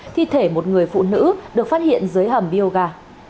thi thể một người phụ nữ được phát hiện dưới hầm bioga